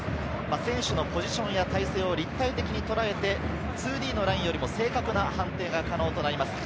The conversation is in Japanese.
選手のポジションや体勢を立体的にとらえて、２Ｄのラインよりも正確な判定が可能となります。